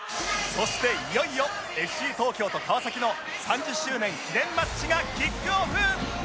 そしていよいよ ＦＣ 東京と川崎の３０周年記念マッチがキックオフ！